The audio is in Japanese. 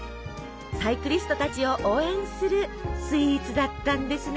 サイクリストたちを応援するスイーツだったんですね。